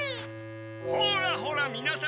ほらほらみなさん